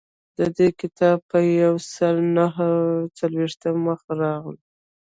د دې کتاب په یو سل نهه څلویښتم مخ راغلی.